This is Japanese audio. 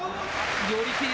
寄り切り。